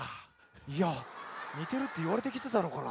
いやにてるっていわれてきてたのかな。